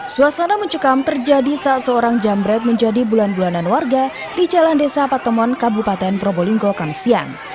suasana mencekam terjadi saat seorang jambret menjadi bulan bulanan warga di jalan desa patomon kabupaten probolinggo kamis siang